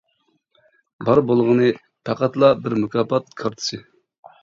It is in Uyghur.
بار بولغىنى، پەقەتلا بىر مۇكاپات كارتىسى.